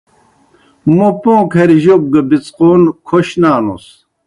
موں پوں کھریْ جوک گہ بِڅقَون کھوْش نانُس۔